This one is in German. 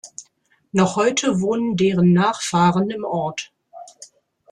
Noch heute wohnen deren Nachfahren im Ort.